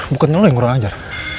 bukannya lo yang kurang ajar